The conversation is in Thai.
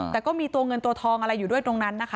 แต่ก็มีตัวเงินตัวทองอะไรอยู่ด้วยตรงนั้นนะคะ